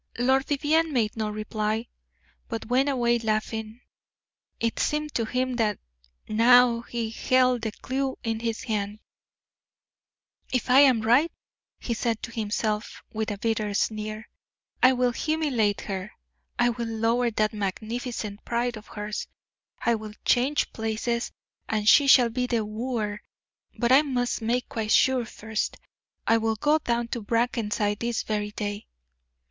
Lord Vivianne made no reply, but went away laughing it seemed to him now that he held the clew in his hands. "If I am right," he said to himself, with a bitter sneer, "I will humiliate her: I will lower that magnificent pride of hers; I will change places, and she shall be the wooer. But I must make quite sure first. I will go down to Brackenside this very day."